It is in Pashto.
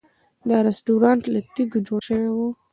دا رسټورانټ له تیږو جوړ شوی و.